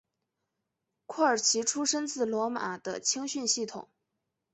库尔奇出身自罗马的青训系统。